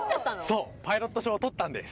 そうパイロット証取ったんです。